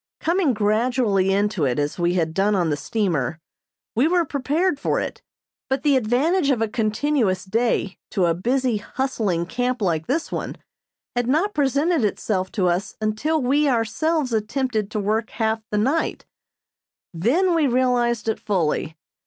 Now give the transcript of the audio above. Coming gradually into it, as we had done on the steamer, we were prepared for it, but the advantage of a continuous day to a busy, hustling camp like this one, had not presented itself to us until we ourselves attempted to work half the night; then we realized it fully.